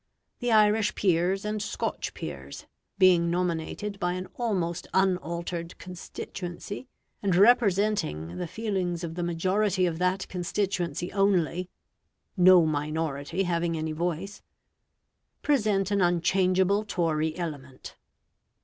The Irish Peers and Scotch Peers being nominated by an almost unaltered constituency, and representing the feelings of the majority of that constituency only (no minority having any voice) present an unchangeable Tory element.